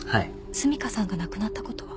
澄香さんが亡くなったことは。